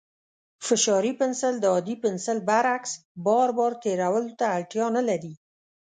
فشاري پنسل د عادي پنسل برعکس، بار بار تېرولو ته اړتیا نه لري.